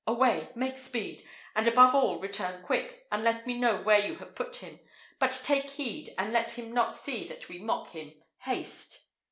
Away! make speed! and above all return quick, and let me know where you have put him; but take heed, and let him not see that we mock him: haste!